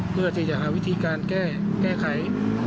เพื่อที่จะหาวิธีการแก้ไข